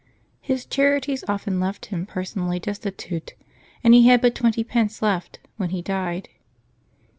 His charities often left him personally destitute, and he had but twenty pence left when he died.